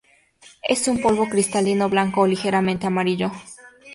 Es un polvo cristalino blanco o ligeramente amarillo.